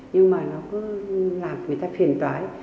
nhưng mà nó cứ làm người ta phiền tói